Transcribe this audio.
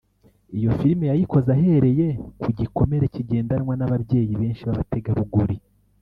Iyo film yayikoze ahereye ku gikomere kigendanwa n’ababyeyi benshi b’abategarugori